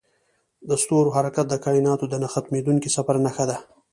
د ستورو حرکت د کایناتو د نه ختمیدونکي سفر نښه ده.